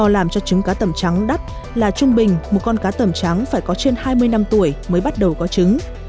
làm cho trứng cá tầm trắng đắt là trung bình một con cá tầm trắng phải có trên hai mươi năm tuổi mới bắt đầu có trứng